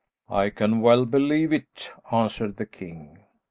"I can well believe it," answered the king.